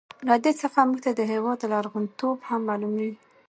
له دې څخه موږ ته د هېواد لرغون توب هم معلوميږي.